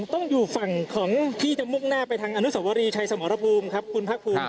ต้องอยู่ฝั่งของที่จะมุ่งหน้าไปทางอนุสวรีชัยสมรภูมิครับคุณภาคภูมิ